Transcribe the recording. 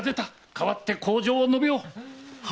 代わって口上を述べよ。